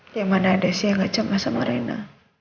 ya mana ada sih yang gak cemas sama reina